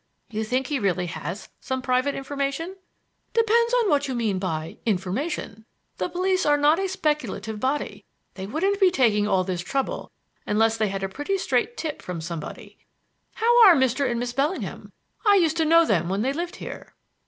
"You think he really has some private information?" "Depends upon what you mean by 'information.' The police are not a speculative body. They wouldn't be taking all this trouble unless they had a pretty straight tip from somebody. How are Mr. and Miss Bellingham? I used to know them when they lived here."